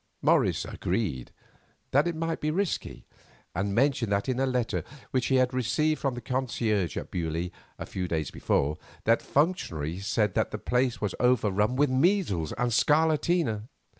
Morris agreed that it might be risky, and mentioned that in a letter which he had received from the concierge at Beaulieu a few days before, that functionary said that the place was overrun with measles and scarlatina.